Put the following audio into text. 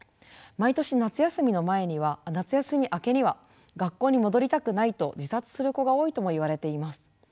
毎年夏休み明けには学校に戻りたくないと自殺する子が多いともいわれています。